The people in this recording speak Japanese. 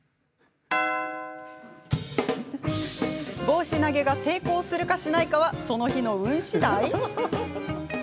帽子投げが成功するかしないかはその日の運しだい？